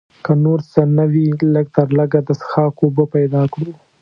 که نور څه نه وي لږ تر لږه د څښاک اوبه پیدا کړو.